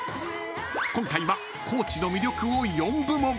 ［今回は高知の魅力を４部門］